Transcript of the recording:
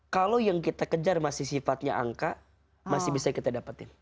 kalau yang kita kejar masih sifatnya angka masih bisa kita dapetin